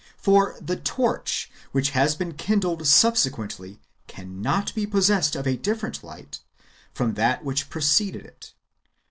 For the torch which has been kindled subsequently cannot be possessed of a different kind of light from that which preceded it.